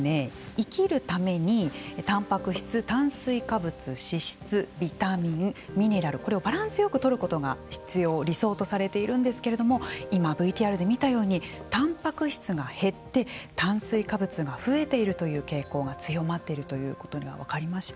生きるためにたんぱく質、炭水化物脂質、ビタミン、ミネラルこれをバランスよくとることが必要理想とされているんですけれども今、ＶＴＲで見たようにたんぱく質が減ってたんぱく質が増えているという傾向が強まっているということが分かりました。